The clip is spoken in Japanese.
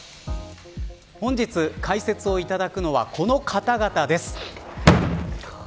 本日、解説をいただくのはこの方々です。